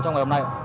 trong ngày hôm nay